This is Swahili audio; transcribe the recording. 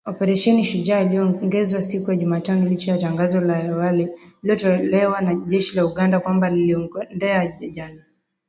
Operesheni Shujaa iliongezwa siku ya Jumatano licha ya tangazo la awali lililotolewa na jeshi la Uganda kwamba lingeondoa wanajeshi